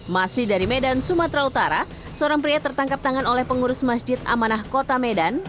masih dari medan sumatera utara seorang pria tertangkap tangan oleh pengurus masjid amanah kota medan